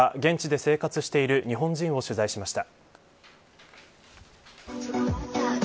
現地で生活している日本人を取材しました。